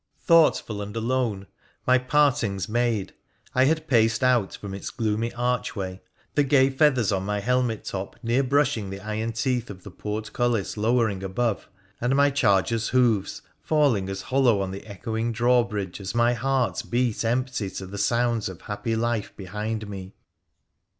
Thoughtful and alone my partings made, I had paced out from its gloomy archway the gay feathers on my helmet top near brushing the iroi teeth of the portcullis lowering above, and my charger's hoofs falling as hollow on the echoing drawbridge as my heart bea" empty to the sounds of happy life behind me.